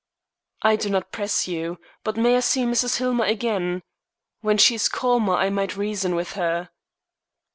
"I do not press you. But may I see Mrs. Hillmer again? When she is calmer I might reason with her."